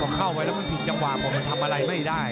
พอเข้าไปแล้วมันผิดจังหวะพอมันทำอะไรไม่ได้